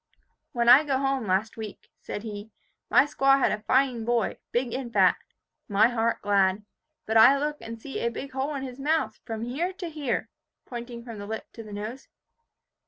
"When I go home, last week," said he, "my squaw had a fine boy, big and fat. My heart glad. But I look and see a big hole in his mouth, from here to here," pointing from the lip to the nose.